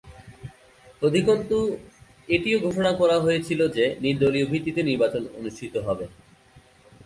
অধিকন্তু এটিও ঘোষণা করা হয়েছিল যে নির্দলীয় ভিত্তিতে নির্বাচন অনুষ্ঠিত হবে।